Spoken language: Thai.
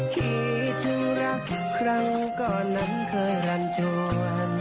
คิดถึงรักครั้งก่อนนั้นเคยรันจวน